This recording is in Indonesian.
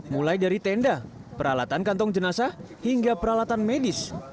mulai dari tenda peralatan kantong jenazah hingga peralatan medis